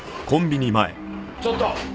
ちょっと！